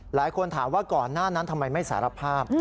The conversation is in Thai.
หลายคนถามว่าก่อนหน้านั้นทำไมไม่สารภาพ